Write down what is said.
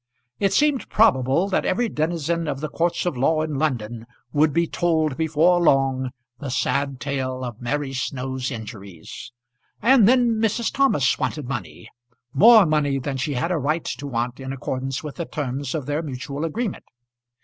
It seemed probable that every denizen of the courts of law in London would be told before long the sad tale of Mary Snow's injuries. And then Mrs. Thomas wanted money, more money than she had a right to want in accordance with the terms of their mutual agreement.